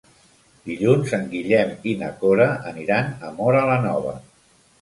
Dijous en Guillem i na Cora aniran a Móra la Nova.